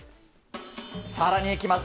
さらにいきます。